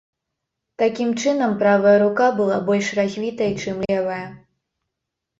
Такім чынам, правая рука была больш развітай, чым левая.